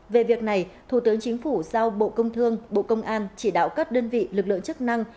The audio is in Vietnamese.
về việc này thủ tướng chính phủ giao bộ công thương bộ công an chỉ đạo các đơn vị lực lượng chức năng